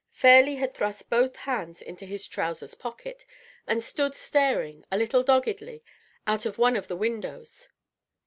Fairleigh had thrust both hands into his trousers' pockets, and stood staring, a little doggedly, out of one of the windows.